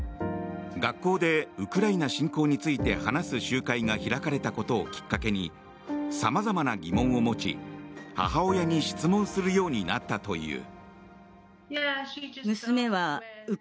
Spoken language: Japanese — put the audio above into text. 学校でウクライナ侵攻について話す集会が開かれたことをきっかけにさまざまな疑問を持ち母親に質問するようになったという。